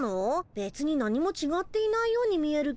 べつになにもちがっていないように見えるけど。